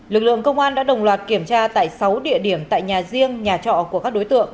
lực lượng công an đã đồng loạt kiểm tra tại sáu địa điểm tại nhà riêng nhà trọ của các đối tượng